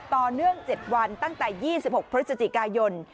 ต่อเนื่อง๗วันตั้งแต่๒๖พฤศจิกายน